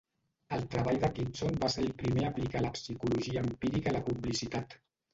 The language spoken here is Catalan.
El treball de Kitson va ser el primer a aplicar la psicologia empírica a la publicitat.